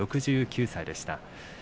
６９歳でした。